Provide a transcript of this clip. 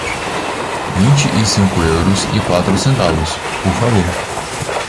Vinte e cinco euros e quatro centavos, por favor.